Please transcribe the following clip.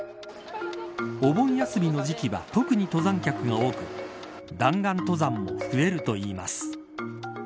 お盆休みの時期は特に登山客が多く弾丸登山も増えるといいます。